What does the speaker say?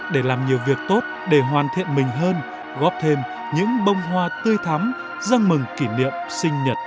để làm nhiều việc tốt để hoàn thiện mình hơn góp thêm những bông hoa tươi thắm răng mừng kỷ niệm sinh nhật